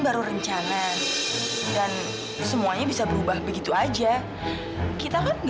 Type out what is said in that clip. alena ini aku fadil bukan taufan